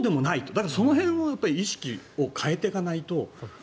だから、その辺はやっぱり意識を変えていかないと。